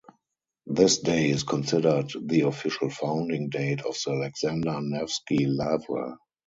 This day is considered the official founding date of the Alexander Nevsky Lavra.